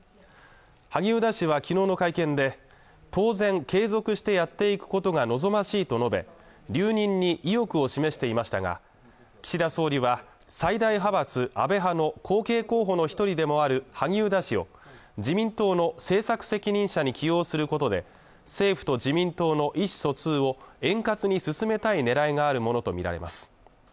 萩生田氏はきのうの会見で当然継続してやっていくことが望ましいと述べ留任に意欲を示していましたが岸田総理は最大派閥・安倍派の後継候補の一人でもある萩生田氏を自民党の政策責任者に起用することで政府と自民党の意思疎通を円滑に進めたい狙いがあるものと見られます